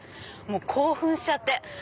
興奮しちゃって！